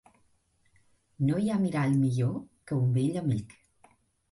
No hi ha mirall millor que un vell amic.